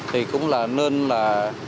thì cũng nên là